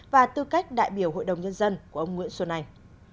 và tư cách đại biểu hội đồng nhân dân của ông nguyễn xuân anh